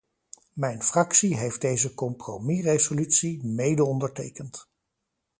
Mijn fractie heeft deze compromisresolutie medeondertekend.